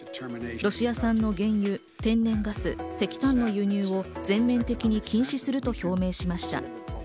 ロシア産の原油、天然ガス、石炭の輸入を全面的に禁止すると表明しました。